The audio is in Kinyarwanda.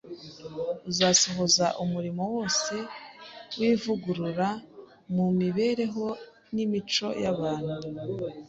uzasohoza umurimo wose w’ivugurura mu mibereho n’imico y’abantu